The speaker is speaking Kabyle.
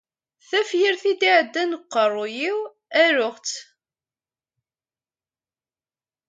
Tafyirt i d-iɛeddan deg uqerruy-iw, aruɣ-tt.